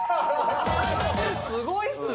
すごいっすね。